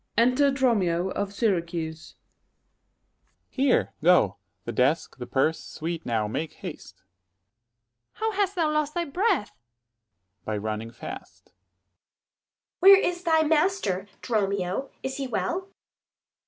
Enter DROMIO of Syracuse. Dro. S. Here! go; the desk, the purse! sweet, now, make haste. Luc. How hast thou lost thy breath? Dro. S. By running fast. 30 Adr. Where is thy master, Dromio? is he well?